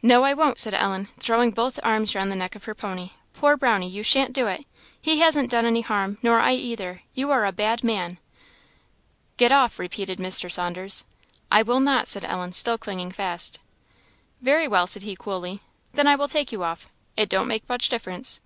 "No, I won't," said Ellen, throwing both arms round the neck of her pony; "poor Brownie! you shan't do it. He hasn't done any harm, nor I either; you are a bad man!" "Get off!" repeated Mr. Saunders. "I will not!" said Ellen, still clinging fast. "Very well," said he, coolly "then I will take you off; it don't make much difference.